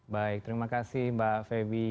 baik terima kasih mbak febi